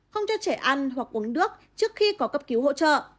không cho trẻ ăn hoặc uống nước trước khi có cấp cứu hỗ trợ